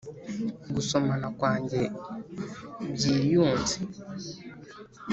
gusomana kwanjye byiyunze.